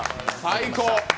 最高！